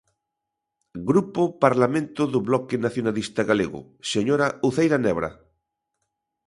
Grupo Parlamento do Bloque Nacionalista Galego, señora Uceira Nebra.